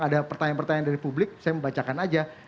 ada pertanyaan pertanyaan dari publik saya membacakan aja